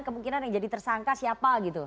kemungkinan yang jadi tersangka siapa gitu